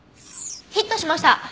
ヒットしました！